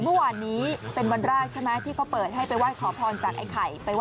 เมื่อวันนี้เป็นวันรากที่เค้าเปิดให้ไว้ขอพรจากไอ้ไข่